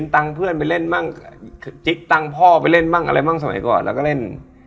แต่นางก็เล่น